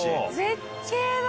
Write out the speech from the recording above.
絶景だ！